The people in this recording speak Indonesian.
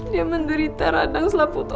dia menderita radang selaput